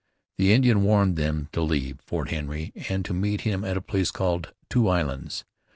The Indian warned them to leave Fort Henry and to meet him at a place called Two Islands.